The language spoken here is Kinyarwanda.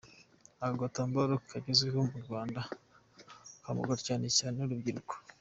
Ako gatambaro kagezweho mu Rwanda, kambarwa cyane cyane n’urubyiruko.